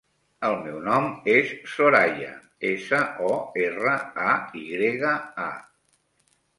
El meu nom és Soraya: essa, o, erra, a, i grega, a.